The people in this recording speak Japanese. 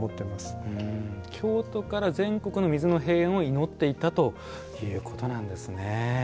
京都から全国の水の平穏を祈っていたということなんですね。